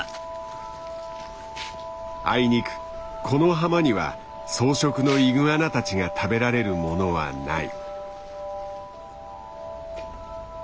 あいにくこの浜には草食のイグアナたちが食べられるものはない。